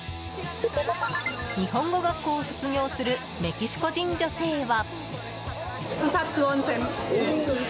日本語学校を卒業するメキシコ人女性は。